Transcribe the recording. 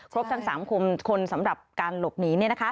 ครบทั้งสามคนคนสำหรับการหลบหนี